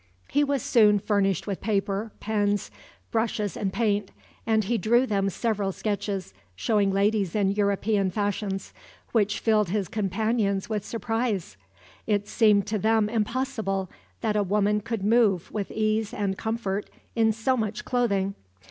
He was soon furnished with paper, pens, brushes, and paint; and he drew them several sketches, showing ladies in European fashions, which filled his companions with surprise. It seemed to them impossible that a woman could move with ease and comfort in so much clothing.